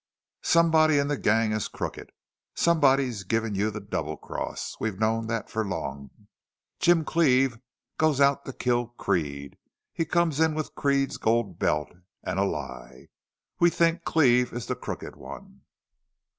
"Somebody in the gang is crooked. Somebody's giving you the double cross. We've known that for long. Jim Cleve goes out to kill Creede. He comes in with Creede's gold belt and a lie!... We think Cleve is the crooked one."